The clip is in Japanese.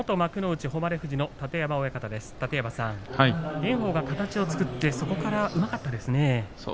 楯山さん、炎鵬、形を作ってそこからうまかったですね。